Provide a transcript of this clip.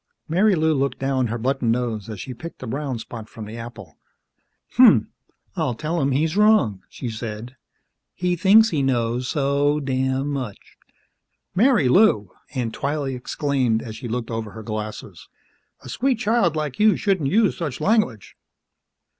Marilou looked down her button nose as she picked a brown spot from the apple. "Hmmph, I'll tell 'im he's wrong," she said. "He thinks he knows so damn much!" "Marilou!" Aunt Twylee exclaimed as she looked over her glasses. "A sweet child like you shouldn't use such language!"